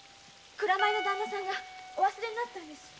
蔵前のダンナさんがお忘れになったんです。